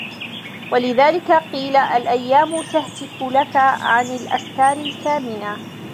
وَلِذَلِكَ قِيلَ الْأَيَّامُ تَهْتِكُ لَك عَنْ الْأَسْتَارِ الْكَامِنَةِ